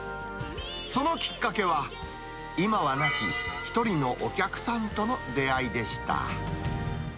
そのきっかけは、今は亡き一人のお客さんとの出会いでした。